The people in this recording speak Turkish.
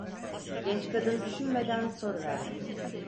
Genç kadın düşünmeden soruverdi: